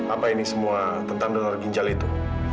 apa ini semua tentang donor ginjal itu